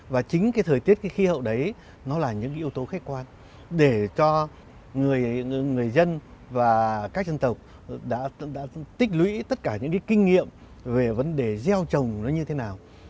và chính cái thời tiết cái khí hậu đấy nó là những yếu tố khách quan để cho người dân và các dân tộc đã tích lũy tất cả những cái kinh nghiệm về vấn đề gieo trồng nó như thế nào